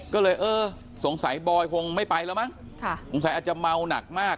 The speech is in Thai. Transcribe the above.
ก็เลยเออสงสัยบอยคงไม่ไปแล้วมั้งสงสัยอาจจะเมาหนักมาก